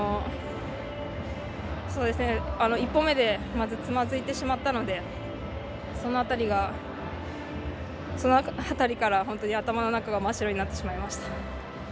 一歩目でまずつまずいてしまったのでその辺りから本当に頭の中が真っ白になってしまいました。